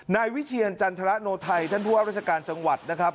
นายวิเชียรจันทรโนไทยท่านผู้ว่าราชการจังหวัดนะครับ